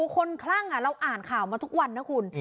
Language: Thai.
คลั่งเราอ่านข่าวมาทุกวันนะคุณ